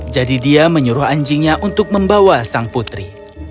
jadi dia menyuruh anjingnya untuk membawa sang putri